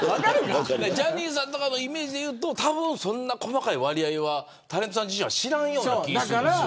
ジャニーズさんとかのイメージでいうとそんなに細かい割合はタレントさんは知らない気がする。